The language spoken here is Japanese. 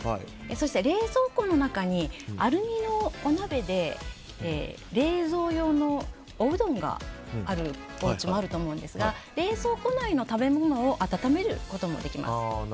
そして冷蔵庫の中にアルミのお鍋で冷蔵用のおうどんがあるおうちもあると思うんですが冷蔵庫内の食べ物を温めることもできます。